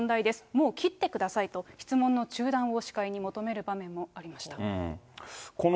もう切ってくださいと、質問の中断を司会に求める場面もありました。